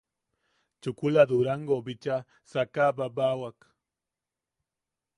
Chukula Durangou bicha sakaʼababawak.